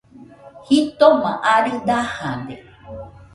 Jitoma arɨ dajade